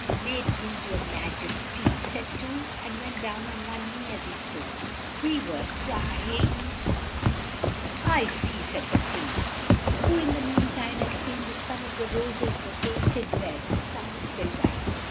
"May it please your ma jes ty," said Two, and went down on one knee as he spoke, "we were try ing " "I see!" said the Queen, who in the mean time had seen that some of the ros es were paint ed red and some were still white.